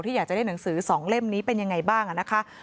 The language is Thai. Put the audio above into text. อยากจะได้หนังสือ๒เล่มนี้เป็นยังไงบ้างนะคะ